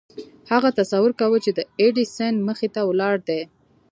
هغه تصور کاوه چې د ايډېسن مخې ته ولاړ دی.